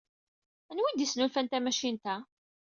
Anwa ay d-yesnulfan tamacint-a?